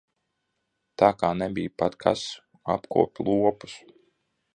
Tā ka nebija pat kas apkopj lopus.